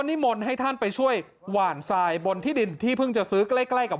นิมนต์ให้ท่านไปช่วยหวานทรายบนที่ดินที่เพิ่งจะซื้อใกล้ใกล้กับ